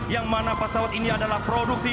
yang mana pesawat ini adalah produksi